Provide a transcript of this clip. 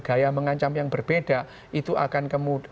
gaya mengancam yang berbeda itu akan kemudian